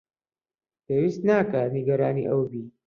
پێویست ناکات نیگەرانی ئەو بێت.